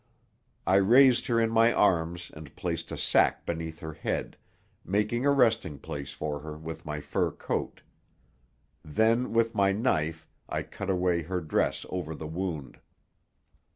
I raised her in my arms and placed a sack beneath her head, making a resting place for her with my fur coat. Then with my knife I cut away her dress over the wound.